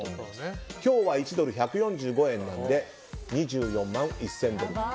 今日は１ドル＝１４５円なので２４万１０００ドル。